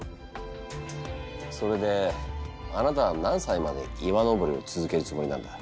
それであなたは何歳まで岩登りを続けるつもりなんだ。